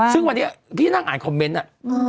ซึ่งวันนี้พี่นั่งอ่านคอมเมนต์น่ะ